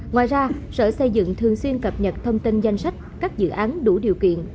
ngoài ra sở xây dựng thường xuyên cập nhật thông tin danh sách các dự án đủ điều kiện